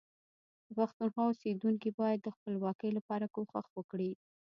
د پښتونخوا اوسیدونکي باید د خپلواکۍ لپاره کوښښ وکړي